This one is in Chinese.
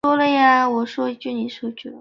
此外担任中共第十二届中央候补委员。